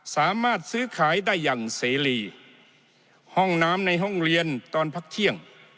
สามารถซื้อขายได้อย่างเสรีห้องน้ำในห้องเรียนตอนพักเที่ยง